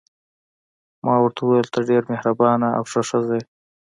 ما ورته وویل: ته ډېره مهربانه او ښه ښځه یې.